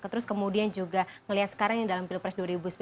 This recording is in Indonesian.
terus kemudian juga melihat sekarang yang dalam pilpres dua ribu sembilan belas